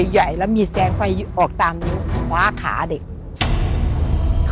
ใหญ่แล้วมีแสงไฟออกตามนิ้วคว้าขาเด็ก